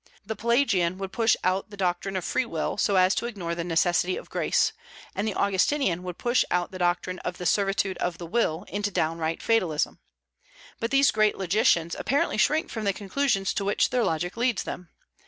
The Pelagian would push out the doctrine of free will so as to ignore the necessity of grace; and the Augustinian would push out the doctrine of the servitude of the will into downright fatalism. But these great logicians apparently shrink from the conclusions to which their logic leads them.